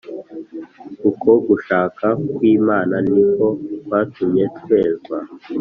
Uko gushaka kw imana ni ko kwatumye twezwa